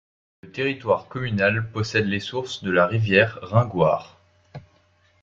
Le territoire communal possède les sources de la rivière Ringoire.